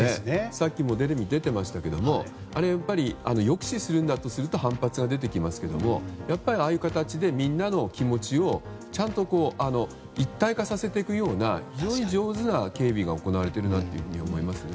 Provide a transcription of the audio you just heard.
さっきもテレビに出ていましたがあれは抑止するんだとすると反発が出てきますけれどもああいう形で、みんなの気持ちを一体化させていくような非常に上手な警備が行われているなというふうに思いますね。